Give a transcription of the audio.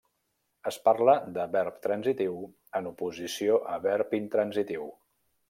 Es parla de verb transitiu en oposició a verb intransitiu.